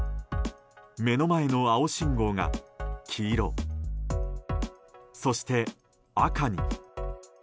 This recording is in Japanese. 目の前の青信号が黄色そして赤に。